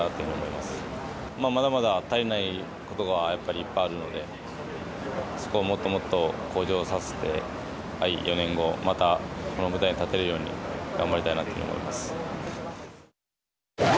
まだまだ足りないことがやっぱりいっぱいあるので、そこをもっともっと向上させて、４年後、またこの舞台に立てるように、頑張りたいなと思います。